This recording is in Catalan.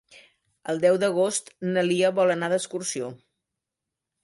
El deu d'agost na Lia vol anar d'excursió.